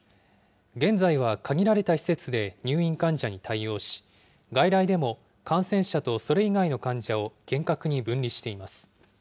現在は限られた施設で入院患者に対応し、外来でも感染者とそれ以外の患者を厳格に分離しています。